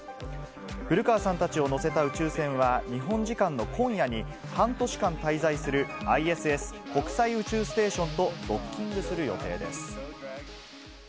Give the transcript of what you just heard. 古川さんたちを乗せた宇宙船は日本時間の今夜に、半年間滞在する、ＩＳＳ・国際宇宙ステーションとドッキングする予定です。